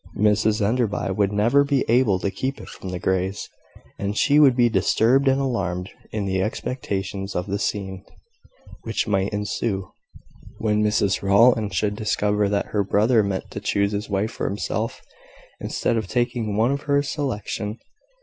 Mrs Enderby would never be able to keep it from the Greys; and she would be disturbed and alarmed in the expectation of the scenes which might ensue, when Mrs Rowland should discover that her brother meant to choose his wife for himself, instead of taking one of her selection.